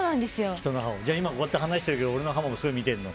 じゃあ、こうやって話してるけど俺の歯もすごい見てるの？